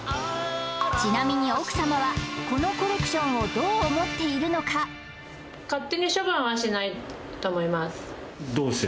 ちなみに奥様はこのコレクションをどう思っているのかと思います